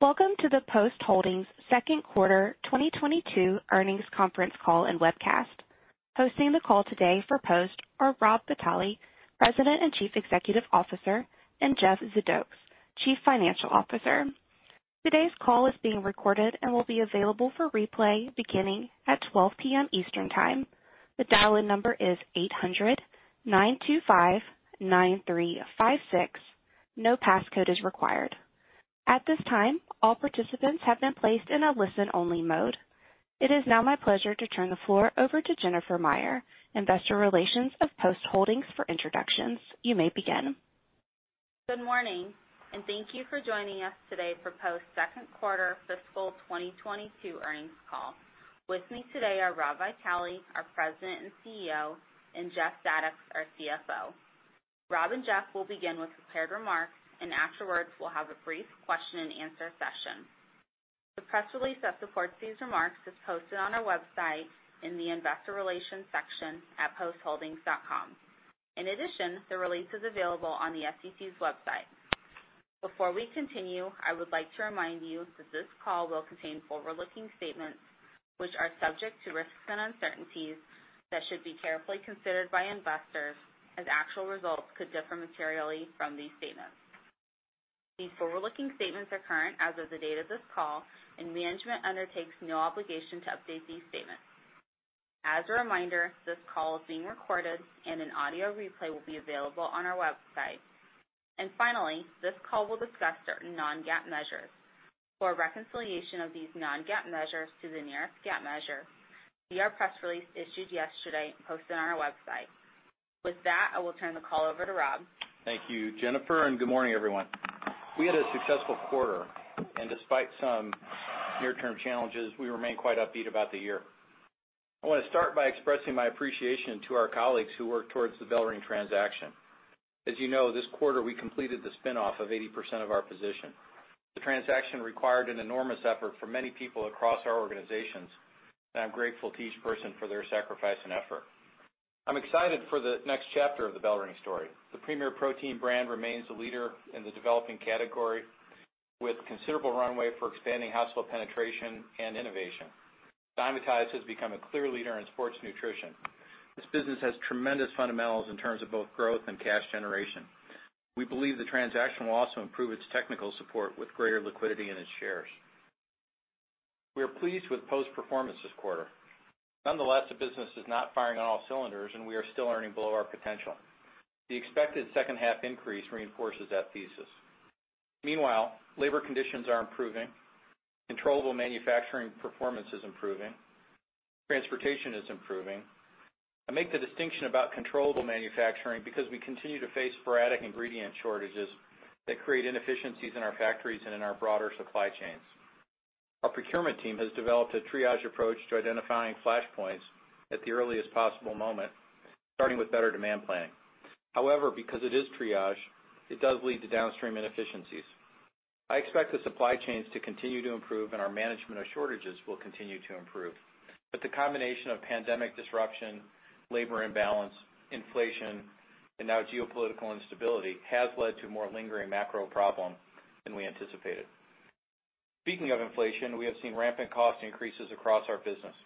Welcome to the Post Holdings Q2 2022 earnings conference call and webcast. Hosting the call today for Post are Rob Vitale, President and Chief Executive Officer, and Jeff Zadoks, Chief Financial Officer. Today's call is being recorded and will be available for replay beginning at 12:00 P.M. Eastern time. The dial-in number is 800-925-9356. No passcode is required. At this time, all participants have been placed in a listen-only mode. It is now my pleasure to turn the floor over to Jennifer Meyer, Investor Relations of Post Holdings for introductions. You may begin. Good morning, and thank you for joining us today for Post Q2 fiscal 2022 earnings call. With me today are Rob Vitale, our President and CEO, and Jeff Zadoks, our CFO. Rob and Jeff will begin with prepared remarks, and afterwards, we'll have a brief question-and-answer session. The press release that supports these remarks is posted on our website in the Investor Relations section at postholdings.com. In addition, the release is available on the SEC's website. Before we continue, I would like to remind you that this call will contain forward-looking statements which are subject to risks and uncertainties that should be carefully considered by investors as actual results could differ materially from these statements. These forward-looking statements are current as of the date of this call, and management undertakes no obligation to update these statements. As a reminder, this call is being recorded and an audio replay will be available on our website. Finally, this call will discuss certain non-GAAP measures. For a reconciliation of these non-GAAP measures to the nearest GAAP measure, see our press release issued yesterday and posted on our website. With that, I will turn the call over to Rob. Thank you, Jennifer, and good morning, everyone. We had a successful quarter, and despite some near-term challenges, we remain quite upbeat about the year. I wanna start by expressing my appreciation to our colleagues who worked towards the BellRing transaction. As you know, this quarter, we completed the spin-off of 80% of our position. The transaction required an enormous effort from many people across our organizations, and I'm grateful to each person for their sacrifice and effort. I'm excited for the next chapter of the BellRing story. The Premier Protein brand remains the leader in the developing category, with considerable runway for expanding household penetration and innovation. Dymatize has become a clear leader in sports nutrition. This business has tremendous fundamentals in terms of both growth and cash generation. We believe the transaction will also improve its technical support with greater liquidity in its shares. We are pleased with Post's performance this quarter. Nonetheless, the business is not firing on all cylinders, and we are still earning below our potential. The expected second half increase reinforces that thesis. Meanwhile, labor conditions are improving, controllable manufacturing performance is improving, transportation is improving. I make the distinction about controllable manufacturing because we continue to face sporadic ingredient shortages that create inefficiencies in our factories and in our broader supply chains. Our procurement team has developed a triage approach to identifying flashpoints at the earliest possible moment, starting with better demand planning. However, because it is triage, it does lead to downstream inefficiencies. I expect the supply chains to continue to improve, and our management of shortages will continue to improve. The combination of pandemic disruption, labor imbalance, inflation, and now geopolitical instability has led to more lingering macro problems than we anticipated. Speaking of inflation, we have seen rampant cost increases across our business.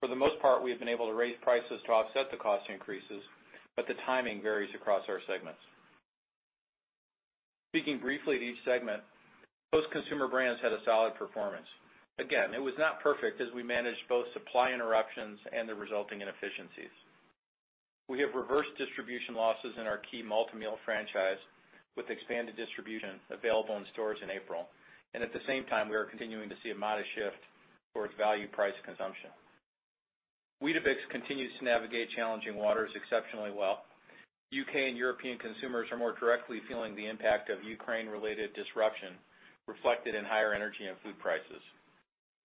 For the most part, we have been able to raise prices to offset the cost increases, but the timing varies across our segments. Speaking briefly to each segment, Post Consumer Brands had a solid performance. Again, it was not perfect as we managed both supply interruptions and the resulting inefficiencies. We have reversed distribution losses in our key Malt-O-Meal franchise with expanded distribution available in stores in April. At the same time, we are continuing to see a modest shift towards value price consumption. Weetabix continues to navigate challenging waters exceptionally well. U.K. and European consumers are more directly feeling the impact of Ukraine-related disruption reflected in higher energy and food prices.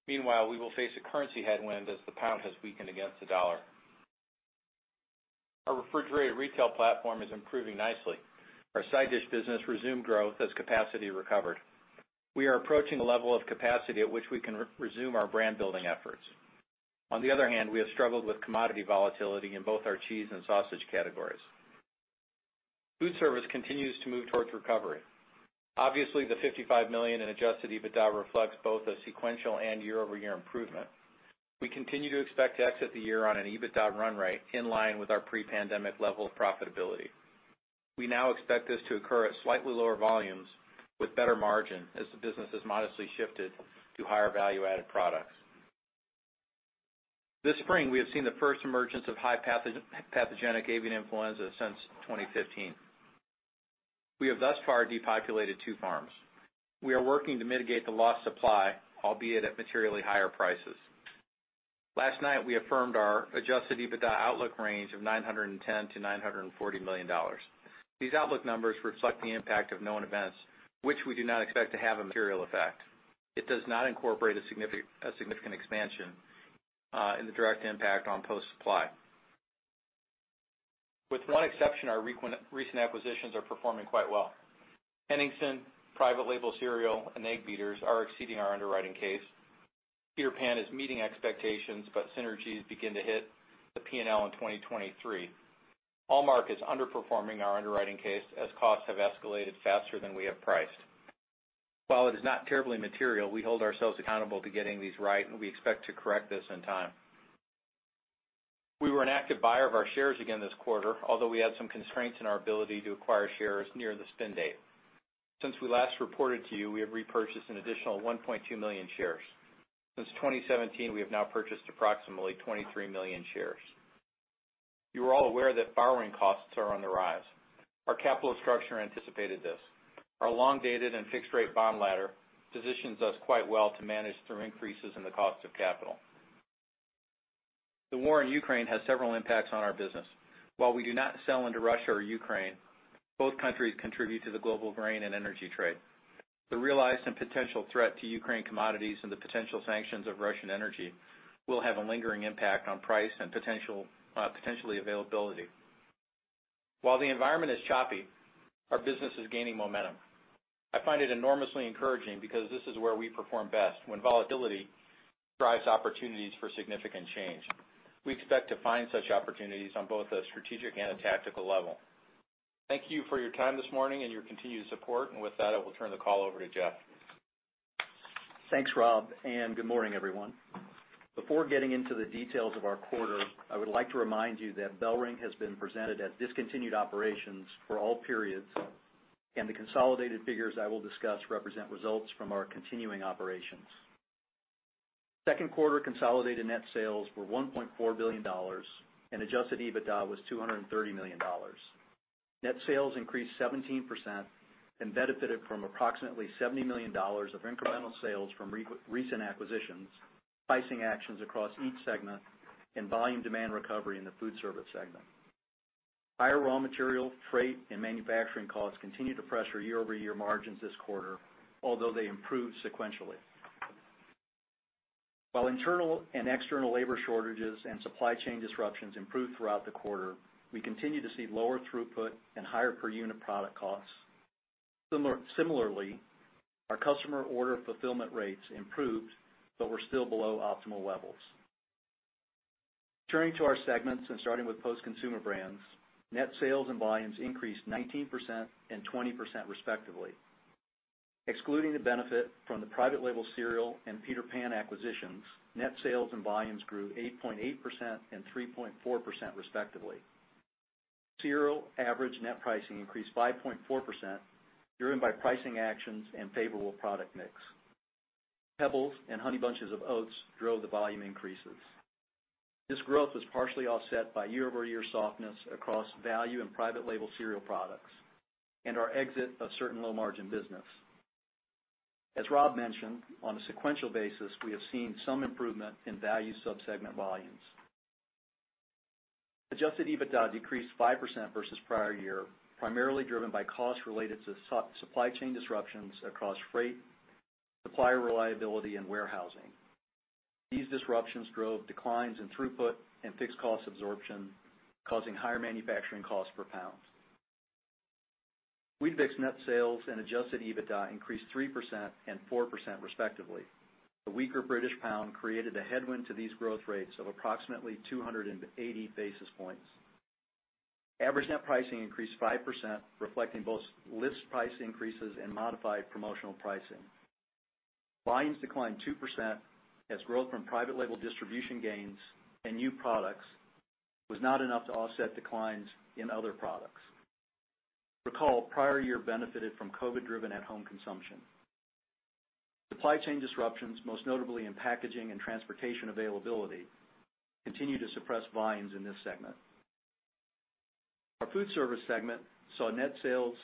Meanwhile, we will face a currency headwind as the pound has weakened against the dollar. Our refrigerated retail platform is improving nicely. Our side dish business resumed growth as capacity recovered. We are approaching a level of capacity at which we can re-resume our brand building efforts. On the other hand, we have struggled with commodity volatility in both our cheese and sausage categories. Foodservice continues to move towards recovery. Obviously, the $55 million in Adjusted EBITDA reflects both a sequential and year-over-year improvement. We continue to expect to exit the year on an EBITDA run rate in line with our pre-pandemic level of profitability. We now expect this to occur at slightly lower volumes with better margin as the business has modestly shifted to higher value-added products. This spring, we have seen the first emergence of high pathogenic avian influenza since 2015. We have thus far depopulated two farms. We are working to mitigate the lost supply, albeit at materially higher prices. Last night, we affirmed our Adjusted EBITDA outlook range of $910 million-$940 million. These outlook numbers reflect the impact of known events, which we do not expect to have a material effect. It does not incorporate a significant expansion in the direct impact on Post supply. With one exception, our recent acquisitions are performing quite well. Henningsen, Private Label cereal, and Egg Beaters are exceeding our underwriting case. Peter Pan is meeting expectations, but synergies begin to hit the P&L in 2023. Almark is underperforming our underwriting case as costs have escalated faster than we have priced. While it is not terribly material, we hold ourselves accountable to getting these right, and we expect to correct this in time. We were an active buyer of our shares again this quarter, although we had some constraints in our ability to acquire shares near the spin date. Since we last reported to you, we have repurchased an additional 1.2 million shares. Since 2017, we have now purchased approximately 23 million shares. You are all aware that borrowing costs are on the rise. Our capital structure anticipated this. Our long-dated and fixed rate bond ladder positions us quite well to manage through increases in the cost of capital. The war in Ukraine has several impacts on our business. While we do not sell into Russia or Ukraine, both countries contribute to the global grain and energy trade. The realized and potential threat to Ukrainian commodities and the potential sanctions on Russian energy will have a lingering impact on price and potential, potentially availability. While the environment is choppy, our business is gaining momentum. I find it enormously encouraging because this is where we perform best, when volatility drives opportunities for significant change. We expect to find such opportunities on both a strategic and a tactical level. Thank you for your time this morning and your continued support. With that, I will turn the call over to Jeff. Thanks, Rob, and good morning, everyone. Before getting into the details of our quarter, I would like to remind you that BellRing has been presented as discontinued operations for all periods, and the consolidated figures I will discuss represent results from our continuing operations. Q2 consolidated net sales were $1.4 billion, and Adjusted EBITDA was $230 million. Net sales increased 17% and benefited from approximately $70 million of incremental sales from recent acquisitions, pricing actions across each segment and volume demand recovery in the food service segment. Higher raw material, freight, and manufacturing costs continue to pressure year-over-year margins this quarter, although they improved sequentially. While internal and external labor shortages and supply chain disruptions improved throughout the quarter, we continue to see lower throughput and higher per unit product costs. Similarly, our customer order fulfillment rates improved, but were still below optimal levels. Turning to our segments and starting with Post Consumer Brands, net sales and volumes increased 19% and 20% respectively. Excluding the benefit from the Private Label cereal and Peter Pan acquisitions, net sales and volumes grew 8.8% and 3.4% respectively. Cereal average net pricing increased 5.4%, driven by pricing actions and favorable product mix. PEBBLES and Honey Bunches of Oats drove the volume increases. This growth was partially offset by year-over-year softness across value and private label cereal products and our exit of certain low margin business. As Rob mentioned, on a sequential basis, we have seen some improvement in value sub-segment volumes. Adjusted EBITDA decreased 5% versus prior year, primarily driven by costs related to supply chain disruptions across freight, supplier reliability and warehousing. These disruptions drove declines in throughput and fixed cost absorption, causing higher manufacturing costs per pound. Weetabix net sales and Adjusted EBITDA increased 3% and 4% respectively. The weaker British pound created a headwind to these growth rates of approximately 280 basis points. Average net pricing increased 5%, reflecting both list price increases and modified promotional pricing. Volumes declined 2% as growth from private label distribution gains and new products was not enough to offset declines in other products. Recall, prior year benefited from COVID driven at home consumption. Supply chain disruptions, most notably in packaging and transportation availability, continue to suppress volumes in this segment. Our food service segment saw net sales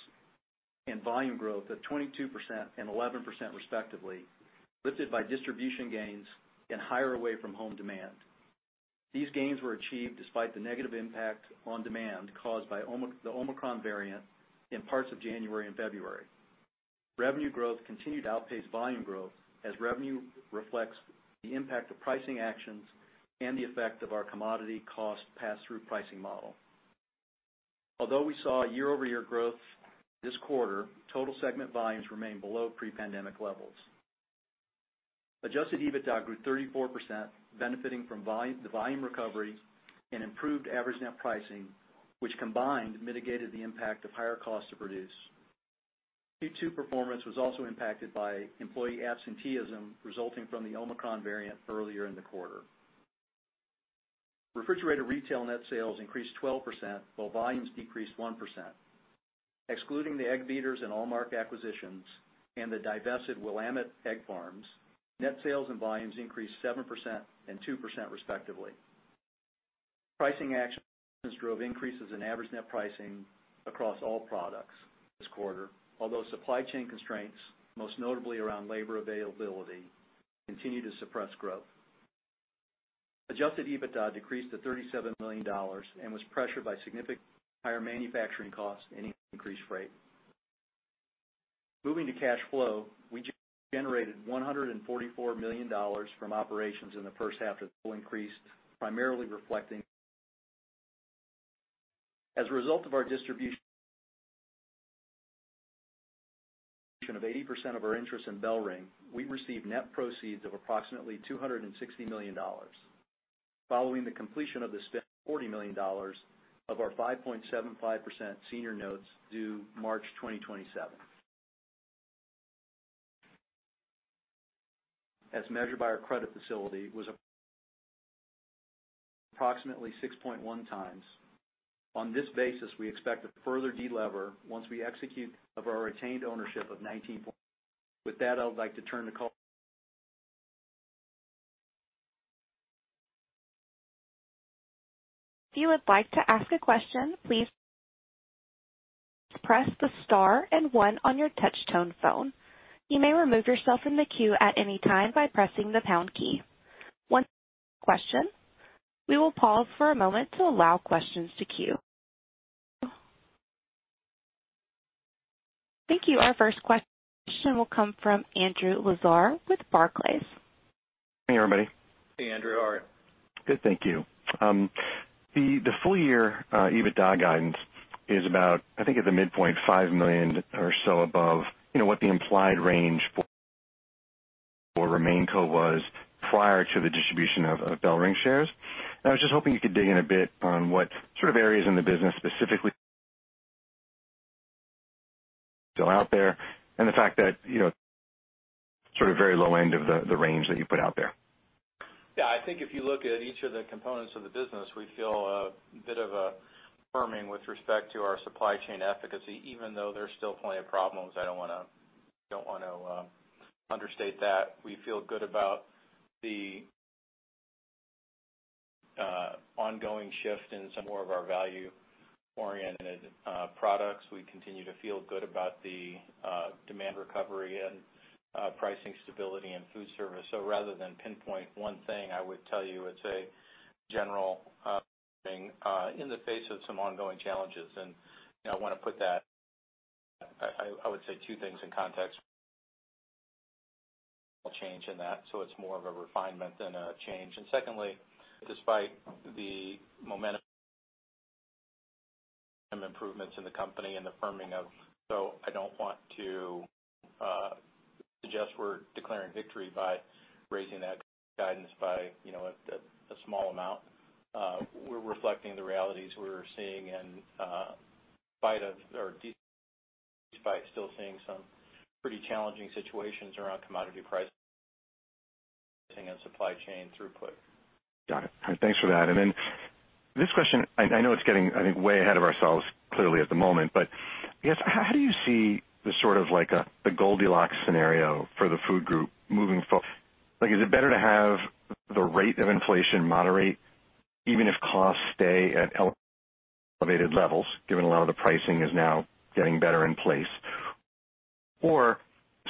and volume growth of 22% and 11% respectively, lifted by distribution gains and higher away from home demand. These gains were achieved despite the negative impact on demand caused by the Omicron variant in parts of January and February. Revenue growth continued to outpace volume growth as revenue reflects the impact of pricing actions and the effect of our commodity cost pass-through pricing model. Although we saw year-over-year growth this quarter, total segment volumes remain below pre-pandemic levels. Adjusted EBITDA grew 34%, benefiting from the volume recovery and improved average net pricing, which combined mitigated the impact of higher costs to produce. Q2 performance was also impacted by employee absenteeism resulting from the Omicron variant earlier in the quarter. Refrigerated Retail net sales increased 12%, while volumes decreased 1%. Excluding the Egg Beaters and Almark acquisitions and the divested Willamette Egg Farms, net sales and volumes increased 7% and 2% respectively. Pricing actions drove increases in average net pricing across all products this quarter. Although supply chain constraints, most notably around labor availability, continue to suppress growth. Adjusted EBITDA decreased to $37 million and was pressured by significantly higher manufacturing costs and increased freight. Moving to cash flow, we generated $144 million from operations in the first half, increased, primarily reflecting. As a result of our distribution Of 80% of our interest in BellRing, we received net proceeds of approximately $260 million. Following the completion of this, $40 million of our 5.75% senior notes due March 2027. As measured by our credit facility, was approximately 6.1 times. On this basis, we expect to further de-lever once we execute of our retained ownership of 19%. With that, I would like to turn the call. If you would like to ask a question, please press the star and one on your touch tone phone. You may remove yourself from the queue at any time by pressing the pound key. Once a question, we will pause for a moment to allow questions to queue. Thank you. Our first question will come from Andrew Lazar with Barclays. Hey, everybody. Hey, Andrew. How are you? Good, thank you. The full year EBITDA guidance is about, I think at the midpoint, $5 million or so above, you know, what the implied range for Remainco was prior to the distribution of BellRing shares. I was just hoping you could dig in a bit on what sort of areas in the business specifically still out there and the fact that, you know, sort of very low end of the range that you put out there. Yeah. I think if you look at each of the components of the business, we feel a bit of a firming with respect to our supply chain efficiency, even though there's still plenty of problems. I don't want to understate that. We feel good about the ongoing shift in some more of our value-oriented products. We continue to feel good about the demand recovery and pricing stability in food service. Rather than pinpoint one thing, I would tell you it's a general thing in the face of some ongoing challenges. You know, I want to put that. I would say two things in context. Change in that, so it's more of a refinement than a change. Secondly, despite the momentum improvements in the company. I don't want to suggest we're declaring victory by raising that guidance by, you know, a small amount. We're reflecting the realities we're seeing and in spite of or despite still seeing some pretty challenging situations around commodity pricing and supply chain throughput. Got it. All right, thanks for that. Then this question, I know it's getting, I think, way ahead of ourselves clearly at the moment, but I guess, how do you see the sort of like, the Goldilocks scenario for the food group moving? Like, is it better to have the rate of inflation moderate, even if costs stay at elevated levels, given a lot of the pricing is now getting better in place? Or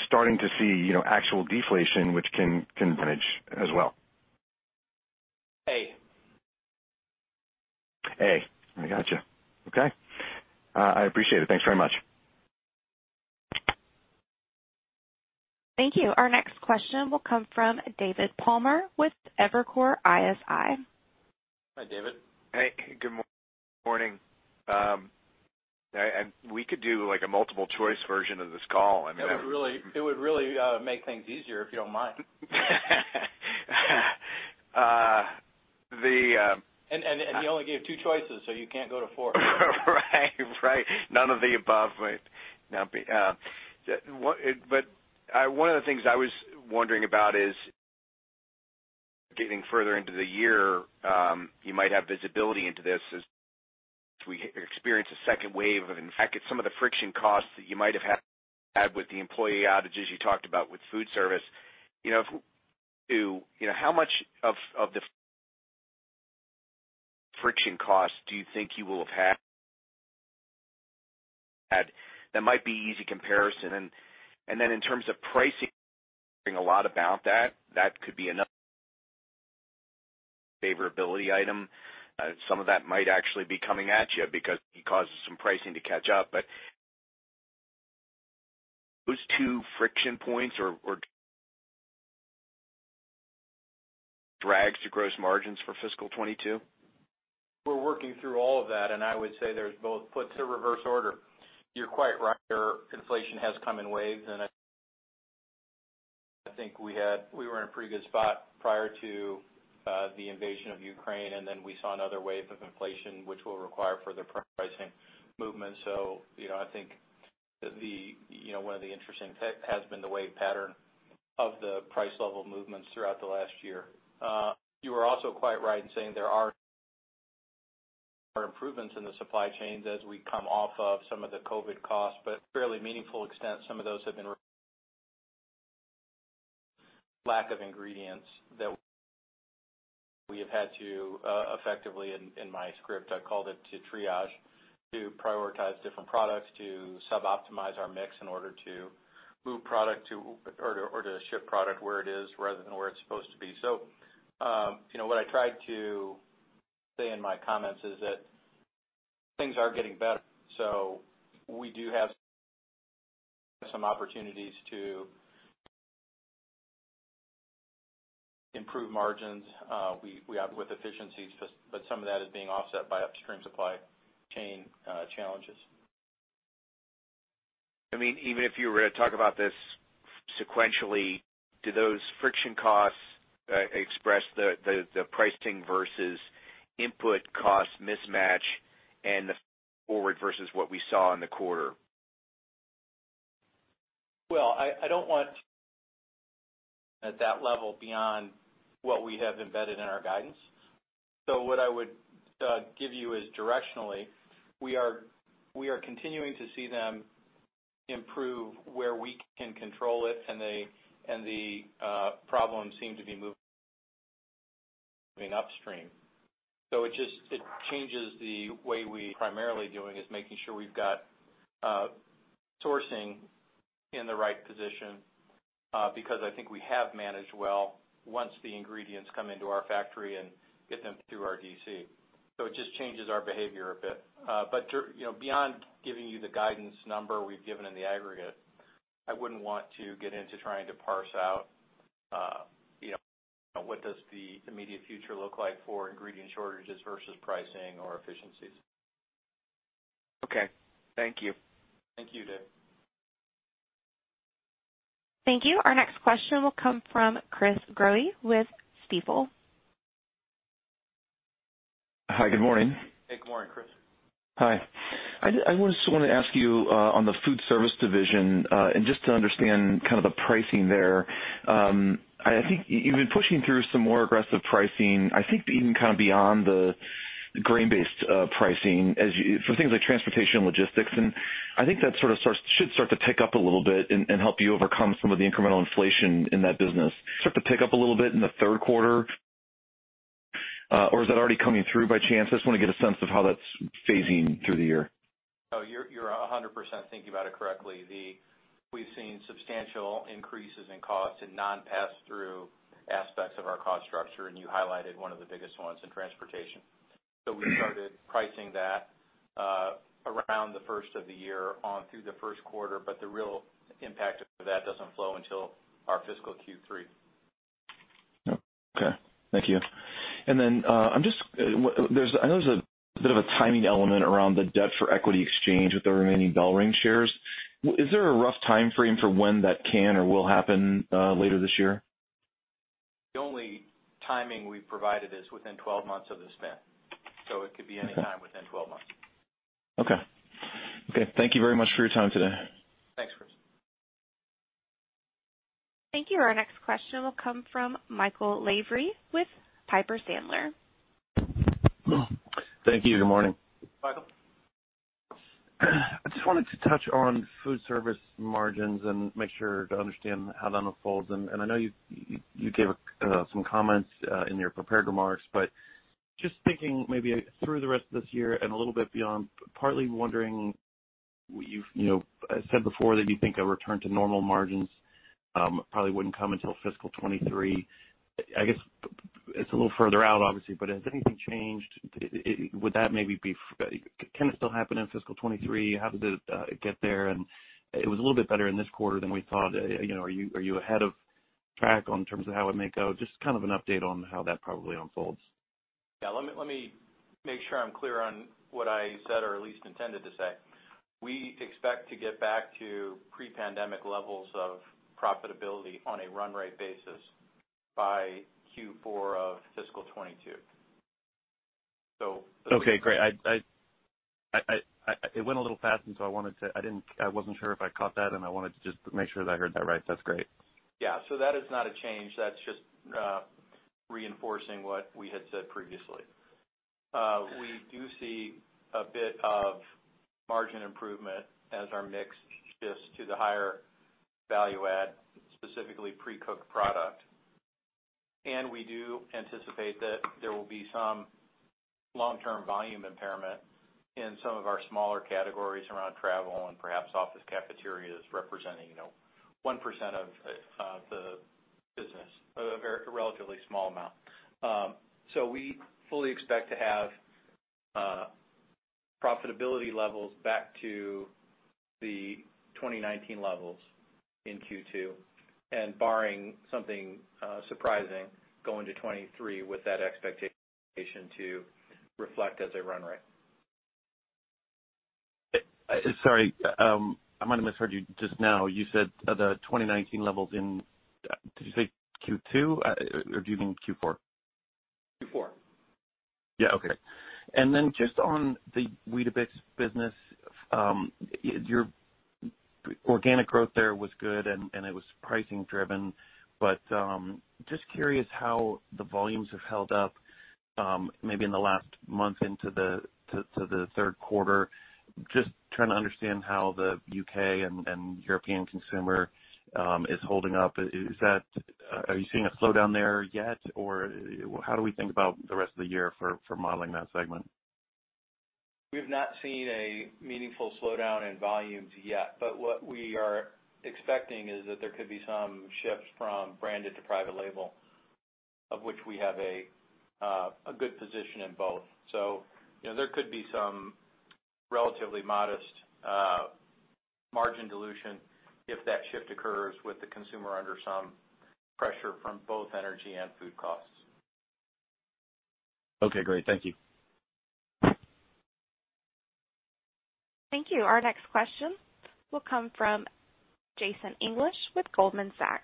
starting to see, you know, actual deflation which can manage as well. A. A. I gotcha. Okay, I appreciate it. Thanks very much. Thank you. Our next question will come from David Palmer with Evercore ISI. Hi, David. Hey, good morning. We could do, like, a multiple choice version of this call. I mean, I was It would really make things easier, if you don't mind. Uh, the, um- You only gave two choices, so you can't go to four. Right. None of the above. One of the things I was wondering about is getting further into the year, you might have visibility into if we experience a second wave. In fact, some of the friction costs that you might have had with the employee outages you talked about with food service. You know, too, you know, how much of the friction costs do you think you will have had that might be easy comparison? In terms of pricing, a lot about that could be another favorability item. Some of that might actually be coming at you because it causes some pricing to catch up. Those two friction points or drags to gross margins for fiscal 2022. We're working through all of that, and I would say, let's say reverse order. You're quite right, inflation has come in waves, and I think we were in a pretty good spot prior to the invasion of Ukraine, and then we saw another wave of inflation which will require further pricing movement. You know, I think the, you know, one of the interesting takeaway has been the wave pattern of the price level movements throughout the last year. You are also quite right in saying there are improvements in the supply chains as we come off of some of the COVID costs, but to a fairly meaningful extent, some of those have been lack of ingredients that we have had to effectively, in my script, I called it to triage, to prioritize different products, to suboptimize our mix in order to move product to or to ship product where it is rather than where it's supposed to be. You know, what I tried to say in my comments is that things are getting better, so we do have some opportunities to improve margins, we have with efficiencies, but some of that is being offset by upstream supply chain challenges. I mean, even if you were to talk about this sequentially, do those friction costs express the pricing versus input costs mismatch and the forward versus what we saw in the quarter? Well, I don't want at that level beyond what we have embedded in our guidance. What I would give you is directionally, we are continuing to see them improve where we can control it, and the problems seem to be moving upstream. It changes the way we primarily doing is making sure we've got sourcing in the right position, because I think we have managed well once the ingredients come into our factory and get them through our DC. It just changes our behavior a bit. But you know, beyond giving you the guidance number we've given in the aggregate, I wouldn't want to get into trying to parse out, you know, what does the immediate future look like for ingredient shortages versus pricing or efficiencies. Okay. Thank you. Thank you, David. Thank you. Our next question will come from Chris Growe with Stifel. Hi, good morning. Hey, good morning, Chris. Hi. I just want to ask you on the food service division and just to understand kind of the pricing there. I think you've been pushing through some more aggressive pricing, I think even kind of beyond the grain-based pricing for things like transportation and logistics. I think that sort of should start to pick up a little bit and help you overcome some of the incremental inflation in that business. It should start to pick up a little bit in Q3, or is that already coming through by chance? I just want to get a sense of how that's phasing through the year. No, you're 100% thinking about it correctly. We've seen substantial increases in costs in non-pass-through aspects of our cost structure, and you highlighted one of the biggest ones in transportation. We started pricing that around the first of the year on through Q1 but the real impact of that doesn't flow until our fiscal Q3. Okay. Thank you. I know there's a bit of a timing element around the debt for equity exchange with the remaining BellRing shares. Is there a rough timeframe for when that can or will happen later this year? The only timing we've provided is within 12 months of this event. It could be anytime within 12 months. Okay. Okay, thank you very much for your time today. Thanks, Chris. Thank you. Our next question will come from Michael Lavery with Piper Sandler. Thank you. Good morning. Michael. I just wanted to touch on food service margins and make sure to understand how that unfolds. I know you gave some comments in your prepared remarks, but just thinking maybe through the rest of this year and a little bit beyond, partly wondering you've you know said before that you think a return to normal margins probably wouldn't come until fiscal 2023. I guess it's a little further out, obviously, but has anything changed? Can it still happen in fiscal 2023? How does it get there? It was a little bit better in this quarter than we thought. You know, are you ahead of track in terms of how it may go? Just kind of an update on how that probably unfolds. Yeah, let me make sure I'm clear on what I said or at least intended to say. We expect to get back to pre-pandemic levels of profitability on a run rate basis by Q4 of fiscal 2022. Okay, great. It went a little fast, and so I wasn't sure if I caught that, and I wanted to just make sure that I heard that right. That's great. Yeah. That is not a change. That's just reinforcing what we had said previously. We do see a bit of margin improvement as our mix shifts to the higher value add, specifically pre-cooked product. We do anticipate that there will be some long-term volume impairment in some of our smaller categories around travel and perhaps office cafeterias representing, you know, 1% of the business, a very relatively small amount. We fully expect to have profitability levels back to the 2019 levels in Q2, and barring something surprising, go into 2023 with that expectation to reflect as a run rate. Sorry, I might have misheard you just now. You said the 2019 levels. Did you say Q2, or do you mean Q4? Q4. Yeah. Okay. Just on the Weetabix business, your organic growth there was good, and it was pricing driven. Just curious how the volumes have held up, maybe in the last month into the third quarter. Just trying to understand how the U.K. and European consumer is holding up. Are you seeing a slowdown there yet? Or how do we think about the rest of the year for modeling that segment? We've not seen a meaningful slowdown in volumes yet, but what we are expecting is that there could be some shifts from branded to private label, of which we have a good position in both. You know, there could be some relatively modest margin dilution if that shift occurs with the consumer under some pressure from both energy and food costs. Okay, great. Thank you. Thank you. Our next question will come from Jason English with Goldman Sachs.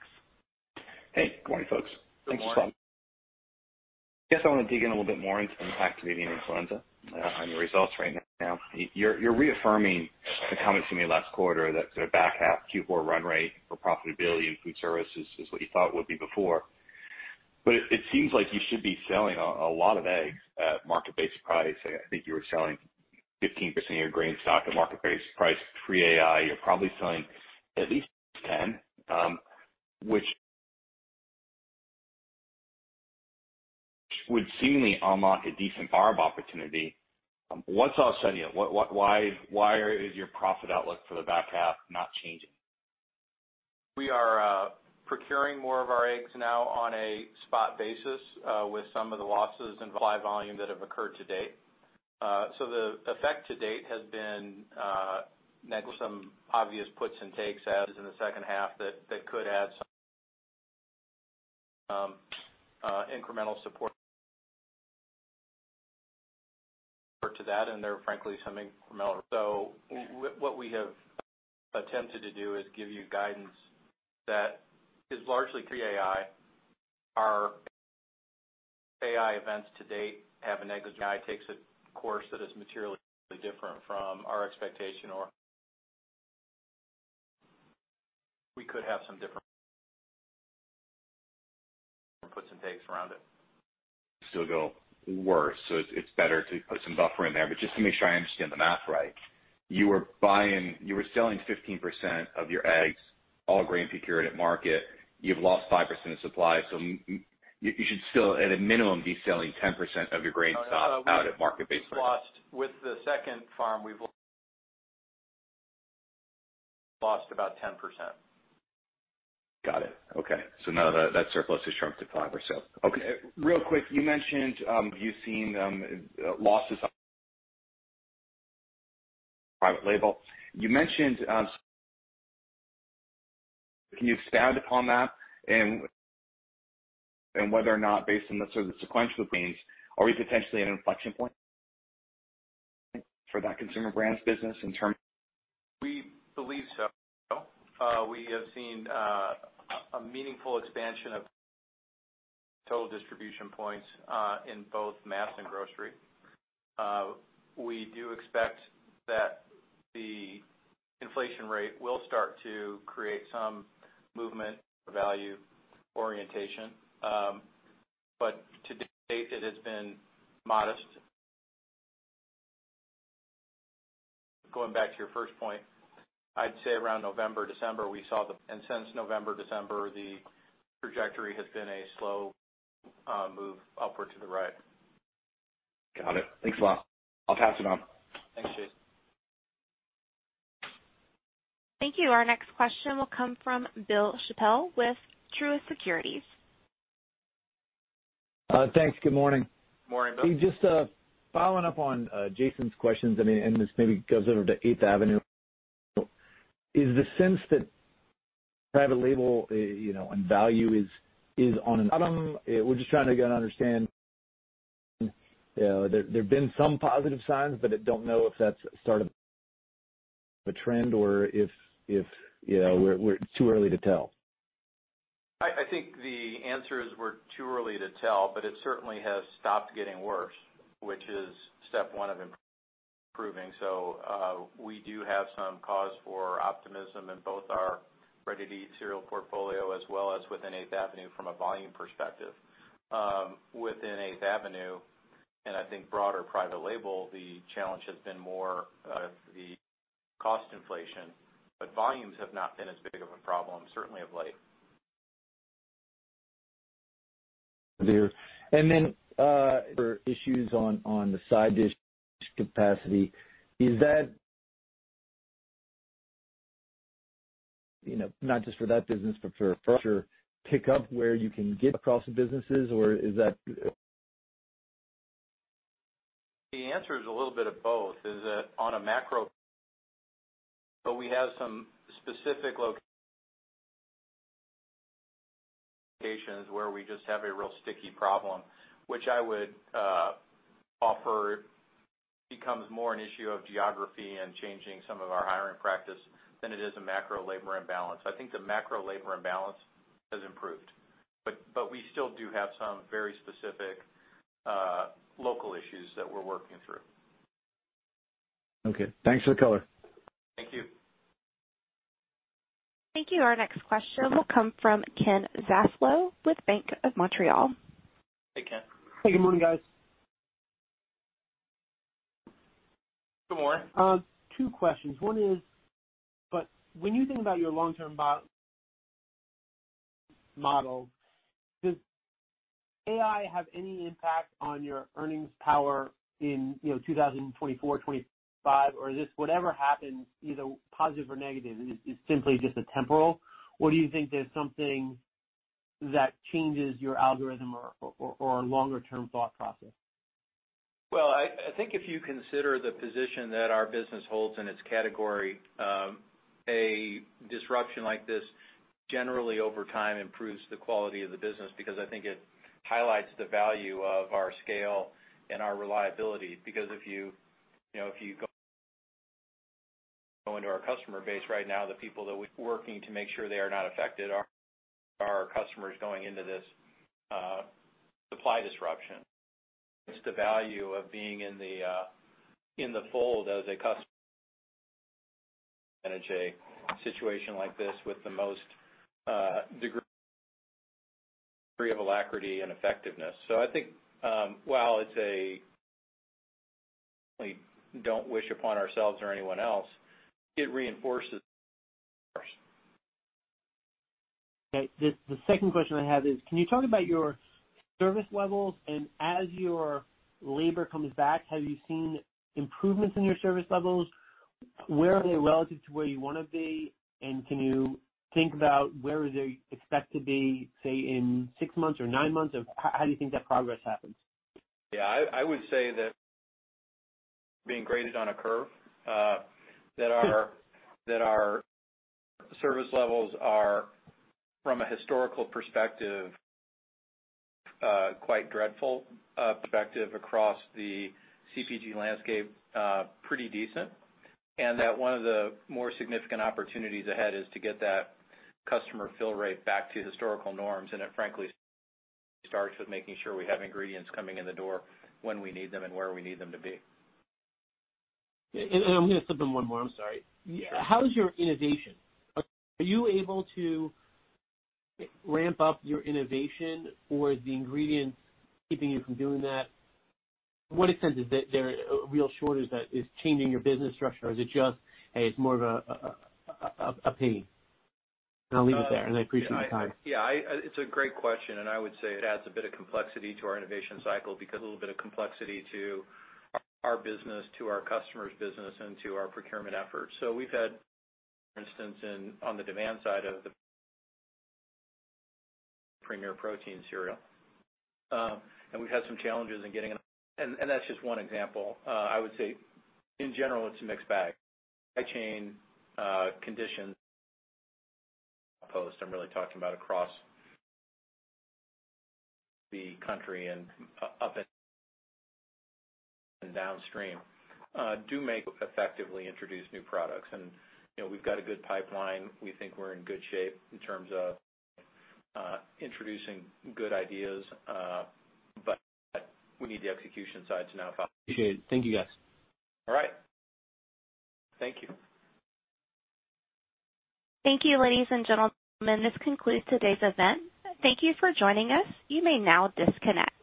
Hey, good morning, folks. Good morning. Thanks a lot. Guess I want to dig in a little bit more into the impact of avian influenza on your results right now. You're reaffirming the comments you made last quarter that the back half Q4 run rate for profitability in food services is what you thought it would be before. It seems like you should be selling a lot of eggs at market-based price. I think you were selling 15% of your egg stock at market-based price pre-AI. You're probably selling at least 10%, which would seemingly unlock a decent arb opportunity. What's offsetting it? Why is your profit outlook for the back half not changing? We are procuring more of our eggs now on a spot basis, with some of the losses in flock volume that have occurred to date. The effect to date has been some obvious puts and takes as in the second half that could add some incremental support to that, and there are frankly some incremental. What we have attempted to do is give you guidance that is largely pre-HPAI. Our HPAI events to date have a negative HPAI takes a course that is materially different from our expectation or we could have some different puts and takes around it. Still could go worse. It's better to put some buffer in there. Just to make sure I understand the math right, you were selling 15% of your eggs, all grain procured at market. You've lost 5% of supply, so you should still, at a minimum, be selling 10% of your grain stock out at market-based price. With the second farm, we've lost about 10%. Got it. Okay. None of that surplus has shrunk to five or so. Okay. Real quick, you mentioned you've seen losses, Private Label. Can you expand upon that and whether or not based on the sort of sequential means, are we potentially at an inflection point for that Consumer Brands business in terms of? We believe so. We have seen a meaningful expansion of total distribution points in both mass and grocery. We do expect that the inflation rate will start to create some movement value orientation. To date, it has been modest. Going back to your first point, I'd say around November, December. Since November, December, the trajectory has been a slow move upward to the right. Got it. Thanks a lot. I'll pass it on. Thanks, Jason. Thank you. Our next question will come from Bill Chappell with Truist Securities. Thanks. Good morning. Morning, Bill. Just following up on Jason's questions, and this maybe goes over to 8th Avenue. Is the sense that private label, you know, and value is on the mend? We're just trying to get an understanding, there have been some positive signs, but I don't know if that's sort of a trend or if you know, we're too early to tell. I think the answer is we're too early to tell, but it certainly has stopped getting worse, which is step one of improving. We do have some cause for optimism in both our ready-to-eat cereal portfolio as well as within 8th Avenue from a volume perspective. Within 8th Avenue, and I think broader private label, the challenge has been more of the cost inflation, but volumes have not been as big of a problem, certainly of late. There. For issues on the side dish capacity, is that, you know, not just for that business, but for sure pick up where you can get across the businesses, or is that? The answer is a little bit of both. We have some specific locations where we just have a real sticky problem, which I would offer becomes more an issue of geography and changing some of our hiring practice than it is a macro labor imbalance. I think the macro labor imbalance has improved, but we still do have some very specific local issues that we're working through. Okay. Thanks for the color. Thank you. Thank you. Our next question will come from Ken Zaslow with Bank of Montreal. Hey, Ken. Hey, good morning, guys. Good morning. Two questions. One is, when you think about your long-term model, does AI have any impact on your earnings power in, you know, 2024, 2025? Or is this whatever happens, either positive or negative, is simply just a temporal? Or do you think there's something that changes your algorithm or longer-term thought process? Well, I think if you consider the position that our business holds in its category, a disruption like this generally over time improves the quality of the business because I think it highlights the value of our scale and our reliability. Because if you know, if you go into our customer base right now, the people that we're working to make sure they are not affected are our customers going into this supply disruption. It's the value of being in the fold as a customer in a situation like this with the most degree of alacrity and effectiveness. I think we don't wish upon ourselves or anyone else. It reinforces. Okay. The second question I have is, can you talk about your service levels and as your labor comes back, have you seen improvements in your service levels? Where are they relative to where you wanna be? Can you think about where they expect to be, say, in six months or nine months? How do you think that progress happens? Yeah. I would say that being graded on a curve, that our service levels are from a historical perspective, quite dreadful, from a perspective across the CPG landscape, pretty decent. One of the more significant opportunities ahead is to get that customer fill rate back to historical norms. It frankly starts with making sure we have ingredients coming in the door when we need them and where we need them to be. I'm gonna slip in one more. I'm sorry. Yeah. How is your innovation? Are you able to ramp up your innovation or the ingredient keeping you from doing that? To what extent is that they're really short, is that changing your business structure or is it just, hey, it's more of a pain? I'll leave it there and I appreciate your time. Yeah. It's a great question, and I would say it adds a bit of complexity to our innovation cycle because a little bit of complexity to our business, to our customers' business, and to our procurement efforts. We've had instances on the demand side of the Premier Protein cereal, and we've had some challenges in getting. That's just one example. I would say in general, it's a mixed bag. Supply chain conditions across the country and up and downstream do make it difficult to effectively introduce new products. You know, we've got a good pipeline. We think we're in good shape in terms of introducing good ideas. We need the execution side to now follow. Appreciate it. Thank you, guys. All right. Thank you. Thank you, ladies and gentlemen, this concludes today's event. Thank you for joining us. You may now disconnect.